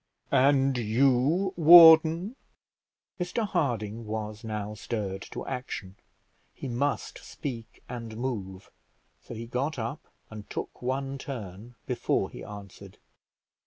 "And you, warden?" Mr Harding was now stirred to action; he must speak and move, so he got up and took one turn before he answered.